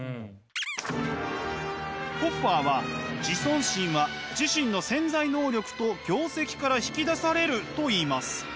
ホッファーは自尊心は自身の潜在能力と業績から引き出されると言います。